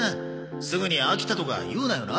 すぐに飽きたとか言うなよな。